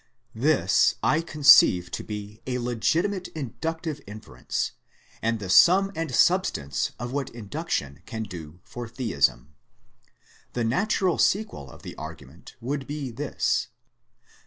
This I conceive to be a legitimate inductive infer ence, and the sum and substance of what Induction can do for Theism. The natural sequel of the argu ment would be this.